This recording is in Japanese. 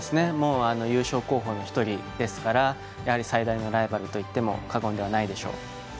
優勝候補の１人ですからやはり最大のライバルといっても過言ではないでしょう。